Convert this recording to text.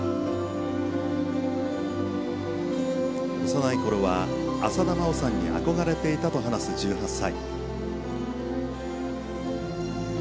幼いころは浅田真央さんに憧れていたと話す１８歳。